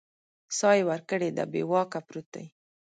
ساه یې ورکړې ده بې واکه پروت دی